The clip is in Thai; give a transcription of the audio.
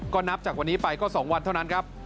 ก็นับจากวันนี้ไปก็๒วันเท่านั้นครับ